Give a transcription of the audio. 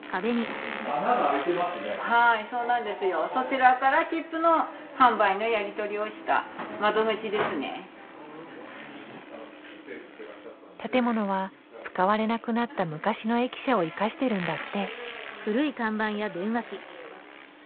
はいそうなんですよ。そちらから建物は使われなくなった昔の駅舎を生かしてるんだって。